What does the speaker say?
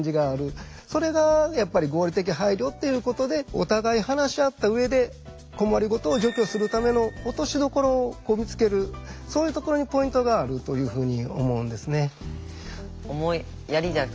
それがやっぱり合理的配慮っていうことでお互い話し合った上で困りごとを除去するための落としどころをみつけるそういうところにポイントがあるというふうに思うんですね。